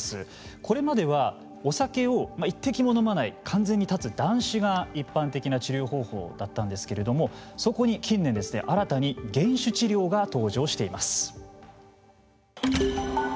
これまでは、お酒を一滴も飲まない完全に断つ断酒が一般的な治療方法だったんですけどそこに近年新たに減酒治療が登場しています。